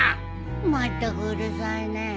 まったくうるさいねえ。